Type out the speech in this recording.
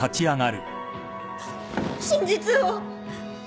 真実を！